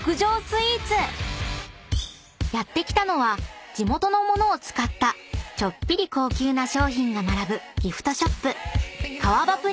［やって来たのは地元の物を使ったちょっぴり高級な商品が並ぶギフトショップ］